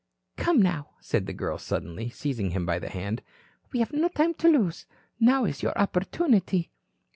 "Come now," said the girl suddenly, seizing him by the hand. "We have no time to lose. Now is your opportunity."